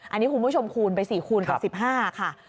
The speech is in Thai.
อันนี้คุณผู้ชมคูณไป๔คูณกับ๑๕ค่ะ